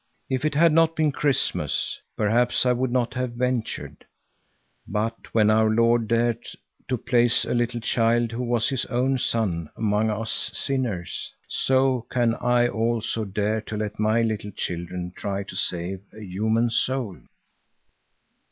If it had not been Christmas, perhaps I would not have ventured; but when our Lord dared to place a little child who was his own son among us sinners, so can I also dare to let my little children try to save a human soul."